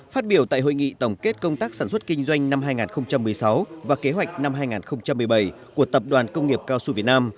phát biểu tại hội nghị tổng kết công tác sản xuất kinh doanh năm hai nghìn một mươi sáu và kế hoạch năm hai nghìn một mươi bảy của tập đoàn công nghiệp cao su việt nam